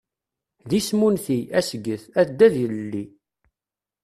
D isem unti, asget, addad ilelli.